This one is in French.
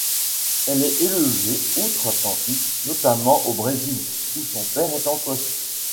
Elle est élevée outre-Atlantique, notamment au Brésil où son père est en poste.